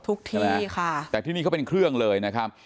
ทุกที่ค่ะแต่ที่นี่เขาเป็นเครื่องเลยนะครับ